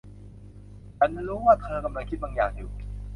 ฉันรู้ว่าเธอกำลังคิดบางอย่างอยู่